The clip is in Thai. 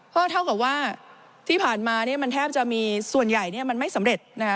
เพราะเท่ากับว่าที่ผ่านมาเนี่ยมันแทบจะมีส่วนใหญ่เนี่ยมันไม่สำเร็จนะคะ